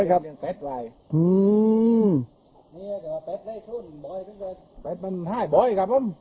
นี่ค่ะแป๊บได้ช่วงบ่อยแป๊บมันไห้บ่อยครับผม